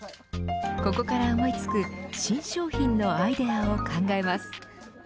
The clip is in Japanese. ここから思いつく新商品のアイデアを考えます。